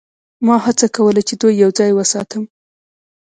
ما هڅه کوله چې دوی یوځای وساتم